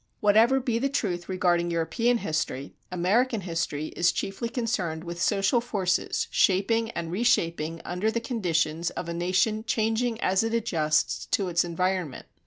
Whatever be the truth regarding European history, American history is chiefly concerned with social forces, shaping and reshaping under the conditions of a nation changing as it adjusts to its environment.